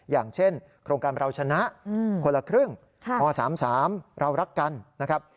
อย่างเช่นโครงการเราชนะคนละครึ่งม๓๓เรารักกันนะครับ